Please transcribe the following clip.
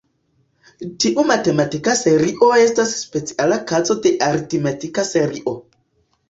Tiu matematika serio estas speciala kazo de "aritmetika serio".